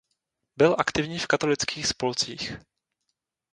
Byl aktivní v katolických spolcích.